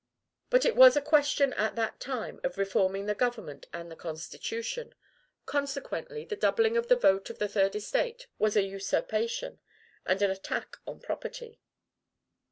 But it was a question at that time of reforming the government and the constitution; consequently, the doubling of the vote of the third estate was a usurpation, and an attack on property.